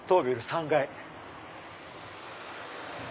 ３階。